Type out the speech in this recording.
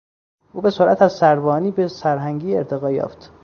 او به سرعت از سروانی به سرهنگی ارتقا یافت.